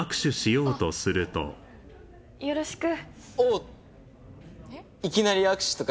よろしく。